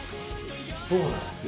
そうなんすよ。